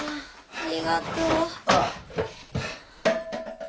ありがとう。